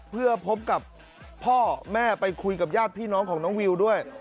เพื่อพบกับพ่อแม่ไปคุยกับญาติพี่น้องของน้องวิวด้วย